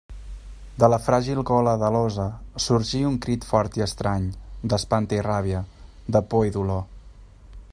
De la fràgil gola de l'alosa sorgí un crit fort i estrany, d'espant i ràbia, de por i dolor.